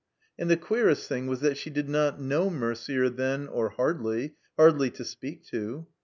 And the queerest thing was that she did not know Mercier then, or hardly; hardly to speak to.